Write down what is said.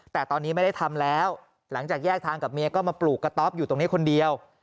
แต่ตอนนี้ไม่ได้ทำแล้วหลังจากแยกทางกับเมียก็มาปลูกกระต๊อปอยู่ตรงนี้คนเดียว